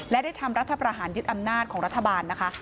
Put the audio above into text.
และได้ทำรัฐประหารยึดอำนาจของรัฐบาลนะคะ